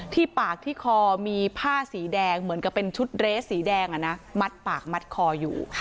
ที่ปากที่คอมีผ้าสีแดงเหมือนกับเป็นชุดเรสสีแดงมัดปากมัดคออยู่